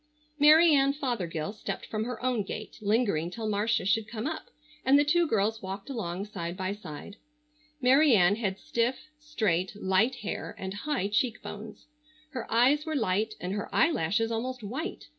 Mary Ann Fothergill stepped from her own gate lingering till Marcia should come up, and the two girls walked along side by side. Mary Ann had stiff, straight, light hair, and high cheek bones. Her eyes were light and her eyelashes almost white.